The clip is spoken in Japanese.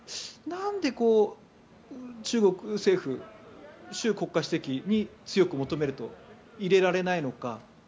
なんでこう、中国政府習国家主席に強く求めると入れられないのか。